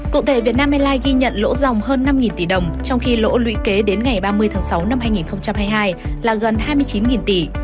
cụ thể việt nam airlines ghi nhận lỗ dòng hơn năm tỷ đồng trong khi lỗ lũy kế đến ngày ba mươi tháng sáu năm hai nghìn hai mươi hai là gần hai mươi chín tỷ